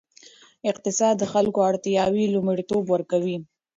اقتصاد د خلکو اړتیاوې لومړیتوب ورکوي.